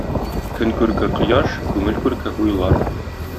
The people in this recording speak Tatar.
Көн күрке – кояш, күңел күрке – уйлар.